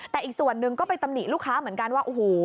แต่อีกส่วนหนึ่งก็ไปตำหนิลูกค้าเหมือนกันว่าโอ้โห